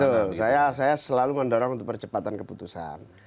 betul saya selalu mendorong untuk percepatan keputusan